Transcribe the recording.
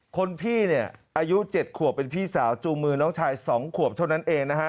คนพี่เนี่ยอายุ๗ขวบเป็นพี่สาวจูงมือน้องชาย๒ขวบเท่านั้นเองนะฮะ